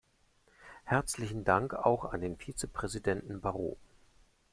Herzlichen Dank auch an Vizepräsident Barrot.